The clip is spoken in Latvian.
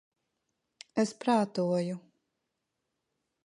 Es prātoju...